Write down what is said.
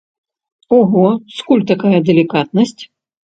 Ого, скуль такая далікатнасць?